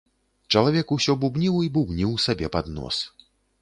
Чалавек усё бубніў і бубніў сабе пад нос.